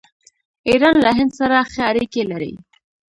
ایران له هند سره ښه اړیکې لري.